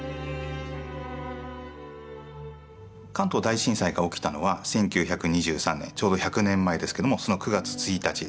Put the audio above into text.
関東大震災が起きたのは１９２３年ちょうど１００年前ですけどもその９月１日でした。